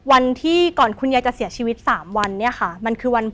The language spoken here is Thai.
วันที่ก่อนคุณยายจะเสียชีวิต๓วันเนี่ยค่ะมันคือวัน